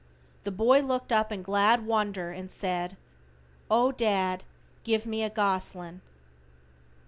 The boy looked up in glad wonder and said: "O, dad, give me a goslin."